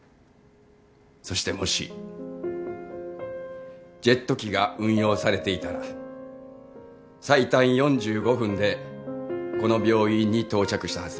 そしてもしジェット機が運用されていたら最短４５分でこの病院に到着したはずです。